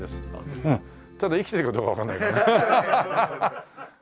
ただ生きてるかどうかわからないけど。